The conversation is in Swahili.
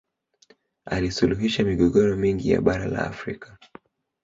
alisuluhisha migogoro mingi ya bara la afrika